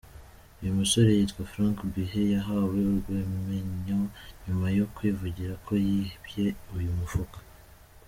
Uyu musore yitwa Frank Buhet yahawe urwamenyo nyuma yo kwivugira ko yibye uyu mufuka.